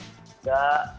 dan kita buka